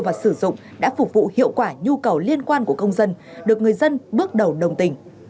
vào các phục vụ hiệu quả nhu cầu liên quan của công dân được người dân bước đầu đồng tình